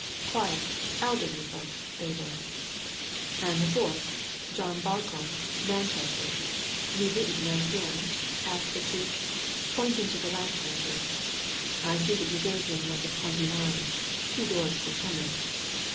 Quiet, elderly folks, they were." "And the fourth John Barcombe, Manchester you didn't know him?" asked the chief, pointing to the last entry. "I see you gave him Number 29 two doors from Herman."